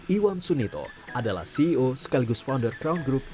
iwan sunito adalah ceo sekaligus founder crown group